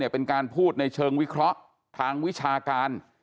เป็นการพูดในเชิงวิเคราะห์ทางวิชาการ